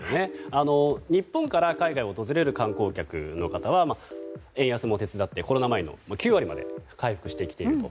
日本から海外に訪れる観光客の方は円安も手伝ってコロナ前の９割まで回復してきていると。